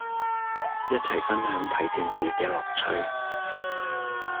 一齊分享睇電視嘅樂趣